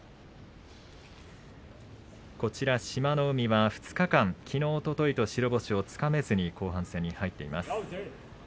海は２日間きのう、おとといと白星をつかめずに後半戦へと入っています。